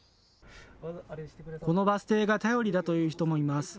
このバス停が頼りだという人もいます。